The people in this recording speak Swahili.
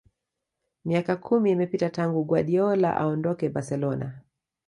Miaka kumi imepita tangu Guardiola aondoke Barcelona